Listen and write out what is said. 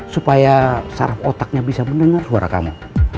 supaya saraf otaknya bisa mendengar suara kamu